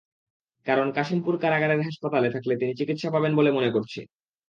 কারণ কাশিমপুর কারাগারের হাসপাতালে থাকলে তিনি চিকিৎসা পাবেন বলে মনে করছি।